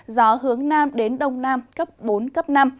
gió hướng nam đến đông nam cấp bốn cấp năm